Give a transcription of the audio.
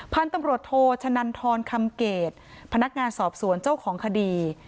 พันธุ์ตำรวจโทชะนันทรคำเกตพนักงานสอบสวนเจ้าของคดี